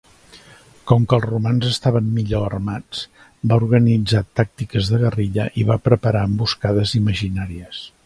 Com que els romans estaven millor armats, va organitzar tàctiques de guerrilla i va preparar emboscades imaginaries.